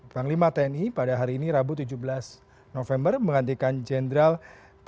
penanggalan dan penyematan tanda pangkat tersebut